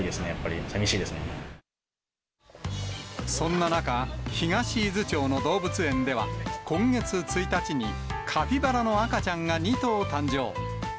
そんな中、東伊豆町の動物園では、今月１日にカピバラの赤ちゃんが２頭誕生。